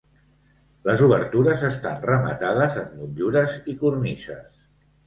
Les obertures estan rematades amb motllures i cornises.